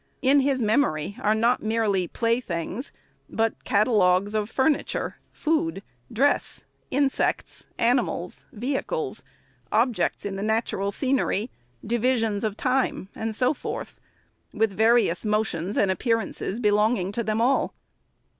In his memory are not merely playthings, but catalogues of furniture, food, dress, insects, animals, vehi cles, objects in natural scenery, divisions of time, and so forth, with various motions and appearances belonging to them all.